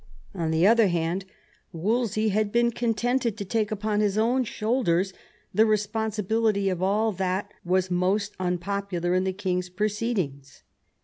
On the other hand, Wolsey had been contented to take upon his own shoulders the responsibility of all that was most unpopular in the king's proceedings.